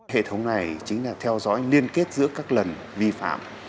hệ thống này chính là theo dõi liên kết giữa các lần vi phạm